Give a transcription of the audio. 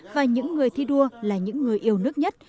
và những người thi đua là những người yêu nước nhất